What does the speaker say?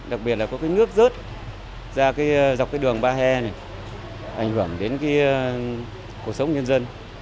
đặc biệt là có cái nước rớt ra dọc cái đường ba he này ảnh hưởng đến cuộc sống nhân dân